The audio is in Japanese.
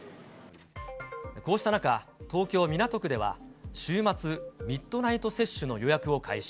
こうした中、東京・港区では、週末ミッドナイト接種の予約を開始。